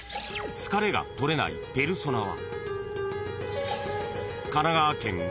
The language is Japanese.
［疲れが取れないペルソナは］